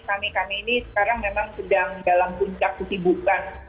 kami kami ini sekarang memang sedang dalam puncak kesibukan